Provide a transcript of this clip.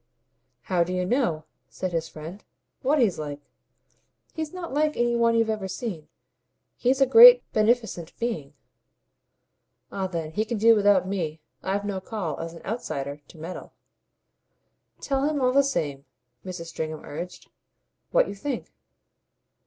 "How do you know," said his friend, "what he's like? He's not like any one you've ever seen. He's a great beneficent being." "Ah then he can do without me. I've no call, as an outsider, to meddle." "Tell him, all the same," Mrs. Stringham urged, "what you think."